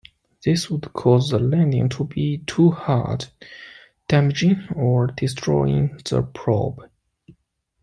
This would cause the landing to be too hard, damaging or destroying the probe.